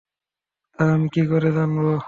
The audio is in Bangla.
তা আমি কী করে জানবো?